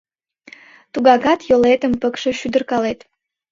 Тугакат йолетым пыкше шӱдыркалет.